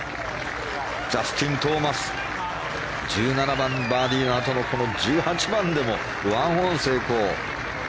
ジャスティン・トーマス１７番、バーディーのあとの１８番でも１オン成功。